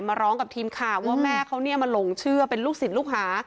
มาร้องกับทีมข่าวว่าแม่เขามาหลงเชื่อเป็นลูกศิษย์ลูกหา